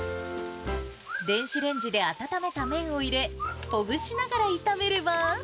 電子レンジで温めた麺を入れ、ほぐしながら炒めれば。